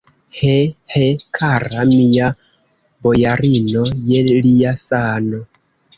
He, he, kara mia bojarino, je lia sano!